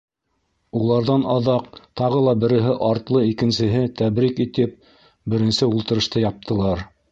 Уларҙан аҙаҡ тағы ла береһе артлы икенсеһе тәбрик итеп, беренсе ултырышты яптылар.